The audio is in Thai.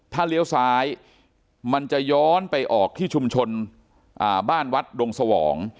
ถ้าเลี้ยวซ้ายมันจะย้อนไปออกที่ชุมชนบ้านวัดดงสวอง